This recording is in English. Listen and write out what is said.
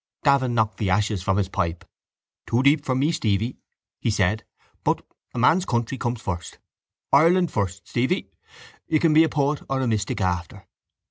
Davin knocked the ashes from his pipe. —Too deep for me, Stevie, he said. But a man's country comes first. Ireland first, Stevie. You can be a poet or a mystic after.